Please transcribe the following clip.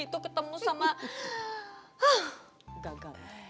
itu ketemu sama gagal